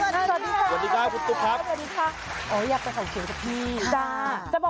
สวัสดีค่ะคุณตุ๋กครับ